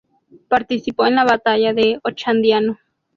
Participó en la batalla de Ochandiano.